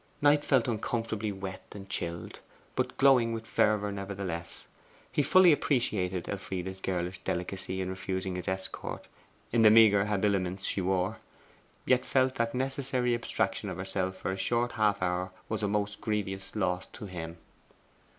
Knight felt uncomfortably wet and chilled, but glowing with fervour nevertheless. He fully appreciated Elfride's girlish delicacy in refusing his escort in the meagre habiliments she wore, yet felt that necessary abstraction of herself for a short half hour as a most grievous loss to him.